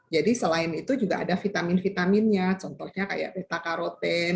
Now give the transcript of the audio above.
jadi selain itu juga ada vitamin vitaminnya contohnya kayak beta karoten